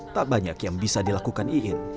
tak banyak yang bisa dilakukan iin